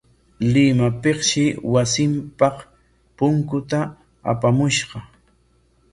Limapikshi wasinpaq punkuta apamushqa.